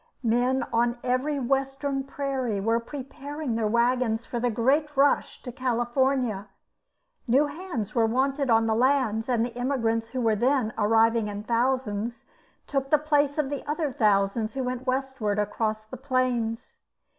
Men on every western prairie were preparing their waggons for the great rush to California; new hands were wanted on the lands, and the immigrants who were then arriving in thousands, took the place of the other thousands who went westward across the plains.